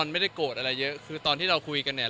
ไม่ได้โกรธอะไรเยอะคือตอนที่เราคุยกันเนี่ย